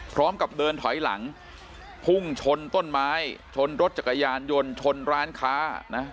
พร้อมกับเดินถอยหลังพุ่งชนต้นไม้ชนรถจักรยานยนต์ชนร้านค้านะ